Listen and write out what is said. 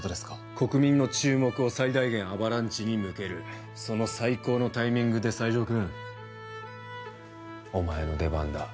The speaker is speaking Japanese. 国民の注目を最大限アバランチに向けるその最高のタイミングで西城君お前の出番だ。